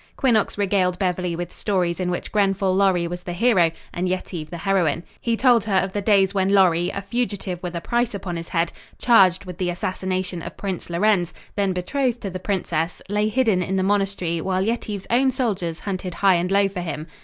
Quinnox regaled Beverly with stories in which Grenfall Lorry was the hero and Yetive the heroine. He told her of the days when Lorry, a fugitive with a price upon his head, charged with the assassination of Prince Lorenz, then betrothed to the princess, lay hidden in the monastery while Yetive's own soldiers hunted high and low for him.